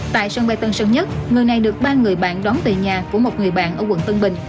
tại sân bay tân sơn nhất người này được ba người bạn đón về nhà của một người bạn ở quận tân bình